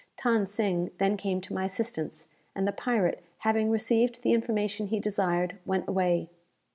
Than Sing then came to my assistance, and the pirate, having received the information he desired, went away.